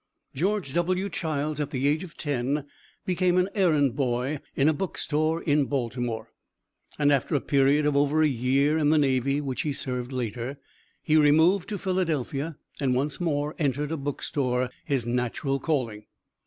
George W. Childs, at the age of ten, became an errand boy in a book store in Baltimore, and after a period of over a year in the Navy which he served later, he removed to Philadelphia and once more entered a book store his natural calling.